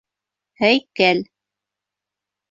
ҺӘЙКӘЛ